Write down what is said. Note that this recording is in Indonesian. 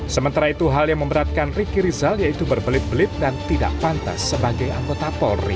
sementara itu hal yang memberatkan ricky rizal yaitu berbelit belit dan tidak pantas sebagai anggota polri